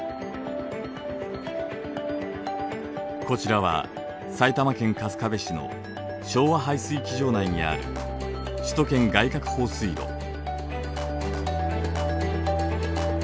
こちらは埼玉県春日部市の庄和排水機場内にある首都圏外郭放水路。